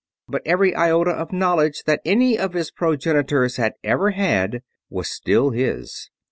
But every iota of knowledge that any of his progenitors had ever had was still his.